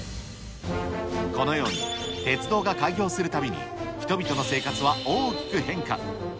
このように、鉄道が開業するたびに、人々の生活は大きく変化。